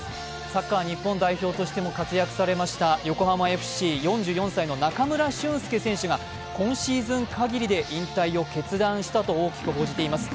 サッカー日本代表としても活躍されました横浜ＦＣ４３歳の中村俊輔選手が今シーズンかぎりで引退を決断したと大きく報じています。